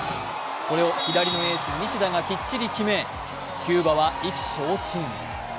これを左のエース・西田がきっちり決め、キューバは意気消沈。